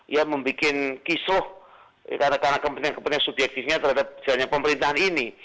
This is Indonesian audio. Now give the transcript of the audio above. ya membuat kisruh karena kepentingan kepentingan subjektifnya terhadap jalannya pemerintahan ini